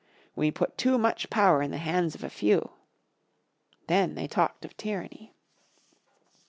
We put too much power in the hands of a few." Then they talked of tyranny.